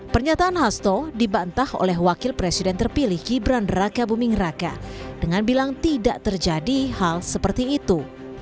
pernyataan hasto dibantah oleh wakil presiden terpilih gibran raka buming raka dengan bilang tidak terjadi hal seperti itu